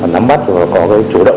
nắm mắt và có chủ động